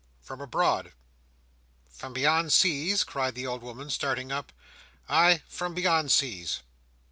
"From abroad." "From beyond seas?" cried the old woman, starting up. "Ay, from beyond seas."